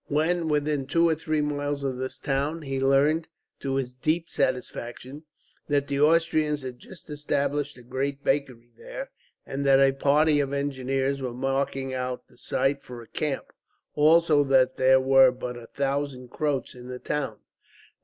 When within two or three miles of this town he learned, to his deep satisfaction, that the Austrians had just established a great bakery there, and that a party of engineers were marking out the site for a camp; also that there were but a thousand Croats in the town.